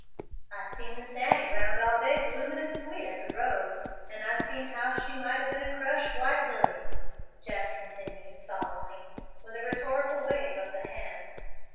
"I'se seen Miss Annie roun' all day bloomin' and sweet as a rose, and I'se seen how she might have been a crushed white lily," Jeff continued, solemnly, with a rhetorical wave of the hand.